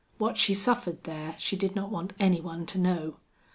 What she suffered there she did not want any one to know.